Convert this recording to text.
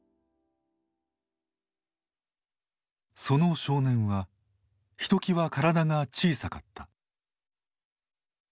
その少年はひときわ体が小さかった。